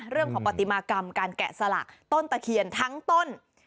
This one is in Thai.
ปฏิมากรรมการแกะสลักต้นตะเคียนทั้งต้น